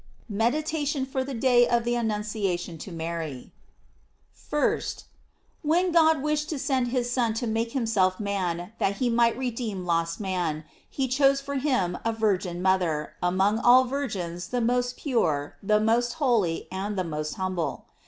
MEDITATION For the Day of the Annunciation to Mary. 1st. WHEN God wished to send his Son to make himself man that he might redeem lost man, he chose for him a virgin mother, among all virgins the most pure, the most holy, and the most humble.